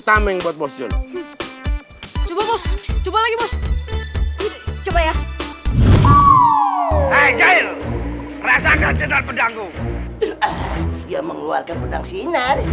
tameng buat bosun coba coba ya hai regal rasakan jenderal pedangku yang mengeluarkan pedang sinar